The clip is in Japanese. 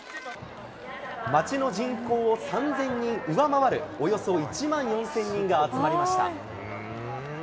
町の人口を３０００人上回るおよそ１万４０００人が集まりました。